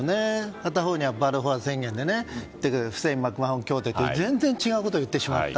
片方にバルフォア宣言、そしてフセイン・マクマホン協定と全然違うことを言ってしまった。